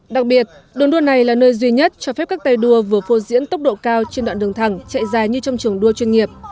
đặc biệt đường đua này là nơi duy nhất cho phép các tay đua vừa phô diễn tốc độ cao trên đoạn đường thẳng chạy dài như trong trường đua chuyên nghiệp